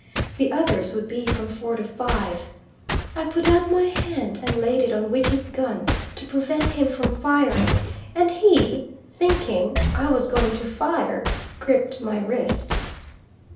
The others would be from four to five. I put out my hand and laid it on Wiki's gun to prevent him from firing, and he, thinking I was going to fire, gripped my wrist.